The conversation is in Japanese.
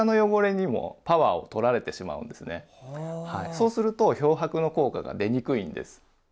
そうすると漂白の効果が出にくいんです。